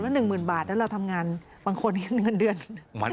แล้วหนึ่งหมื่นบาทแล้วเราทำงานบางคนเงินเดือน